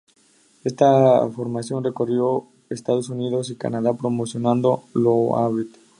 Esta formación recorrió Estados Unidos y Canadá promocionando "Loaded".